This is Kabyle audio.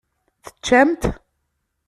Teččam-t?